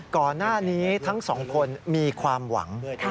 ก่อนหน้านี้ทั้งสองคนมีความหวัง